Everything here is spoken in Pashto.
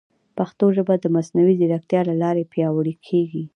پښتو ژبه د مصنوعي ځیرکتیا له لارې پیاوړې کیږي.